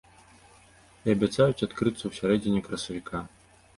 І абяцаюць адкрыцца ў сярэдзіне красавіка.